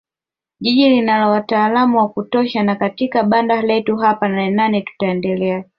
Jiji linao wataalam wa kutosha na katika banda letu hapa Nanenane tutaendelea